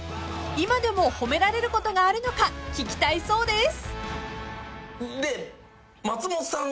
［今でも褒められることがあるのか聞きたいそうです］